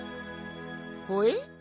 ほえ？